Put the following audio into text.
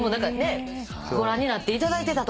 ご覧になっていただいてたとか。